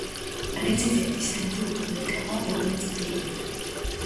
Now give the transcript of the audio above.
პრეზიდენტის თანამდებობა დაიკავა რობერტ გეიმ.